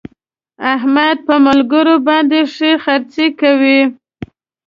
احمد په ملګرو باندې ښې خرڅې کوي.